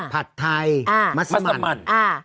ผัดไทยมัสมัน